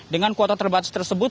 dengan kuota terbatas tersebut